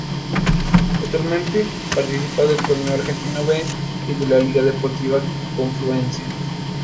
Actualmente participa del Torneo Argentino B y de la Liga Deportiva Confluencia.